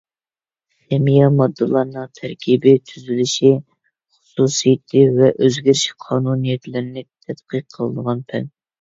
خىمىيە — ماددىلارنىڭ تەركىبى، تۈزۈلۈشى، خۇسۇسىيىتى ۋە ئۆزگىرىش قانۇنىيەتلىرىنى تەتقىق قىلىدىغان پەن.